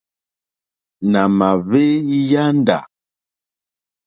Nà mà hwé yāndá.